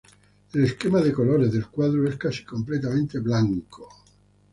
El esquema de colores del cuadro es casi completamente blanco.